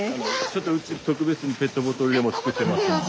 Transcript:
ちょっとうち特別にペットボトルでもつくってます。